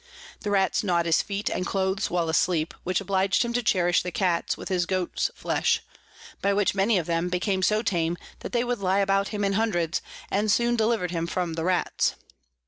The Rats gnaw'd his Feet and Clothes while asleep, which oblig'd him to cherish the Cats with his Goats flesh; by which many of them became so tame, that they would lie about him in hundreds, and soon deliver'd him from the Rats.